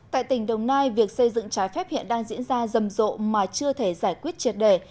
tại tỉnh đồng nai việc xây dựng trái phép hiện đang diễn ra rầm rộ mà chưa thể giải quyết triệt đề